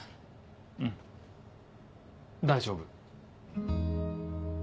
うん大丈夫。